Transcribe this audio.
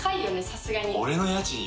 さすがに。